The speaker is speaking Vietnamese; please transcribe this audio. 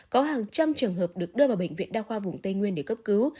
có hàng trăm trường hợp được đưa vào bệnh viện đa khoa vùng tây nguyên để cấp cứu